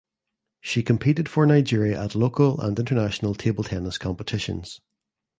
She competed for Nigeria at local and international table tennis competitions.